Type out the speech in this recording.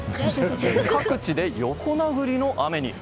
各地で横殴りの雨に。